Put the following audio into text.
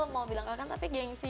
mau bilang rekan tapi gengsi